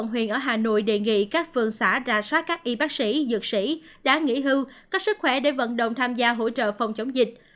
huyện ở hà nội đề nghị các phường xã ra soát các y bác sĩ dược sĩ đã nghỉ hưu có sức khỏe để vận động tham gia hỗ trợ phòng chống dịch